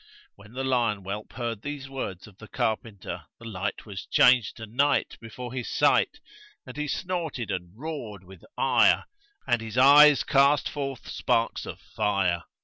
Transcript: When the lion whelp heard these words of the carpenter, the light was changed to night before his sight and he snorted and roared with ire and his eyes cast forth sparks of fire.